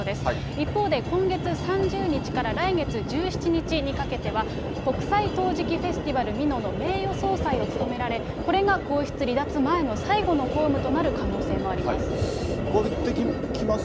一方で、今月３０日から来月１７日にかけては、国際陶磁器フェスティバル美濃の名誉総裁を務められ、これが皇室離脱前の最後の公務となる可能性もあります。